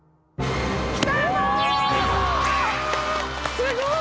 すごい。